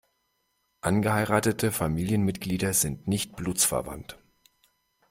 Angeheiratete Familienmitglieder sind nicht blutsverwandt.